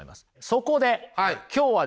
そこで今日はですね